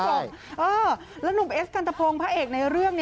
เออแล้วหนุ่มเอสกันตะพงศ์พระเอกในเรื่อง